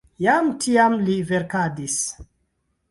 Jam tiam li verkadis.